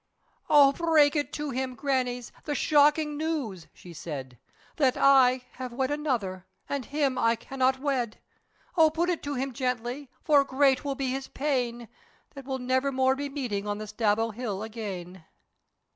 "O break it to him, Grannies, the shocking news," she said "That I have wed another, and him I cannot wed! O put it to him gently, for great will be his pain, That we'll never more be meeting on the Staball hill again."